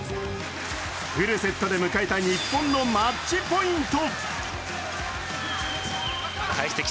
フルセットで迎えた日本のマッチポイント。